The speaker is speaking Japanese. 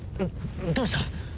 どうした？